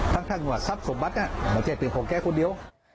ทั้งว่าทรัพย์สมบัติไม่ใช่เป็นของแกคนเดียว